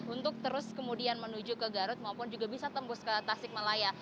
untuk terus kemudian menuju ke garut maupun juga bisa tembus ke tasik malaya